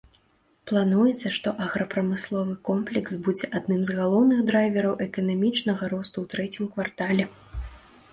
Плануецца, што аграпрамысловы комплекс будзе адным з галоўных драйвераў эканамічнага росту ў трэцім квартале.